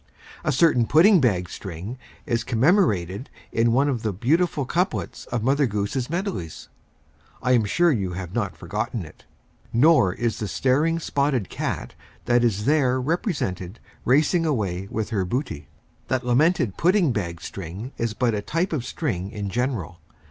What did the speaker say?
A certain pudding bag string is commemorated in one of the beautiful couplets of Mother Goose's Melodies. I am sure you cannot have forgotten it, nor the staring spotted cat that is there represented racing away with her booty. That lamented pudding bag string is but a type of strings in general.